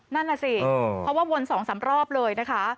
นั่นแหละสิเพราะว่าวนสองสามรอบเลยนะคะ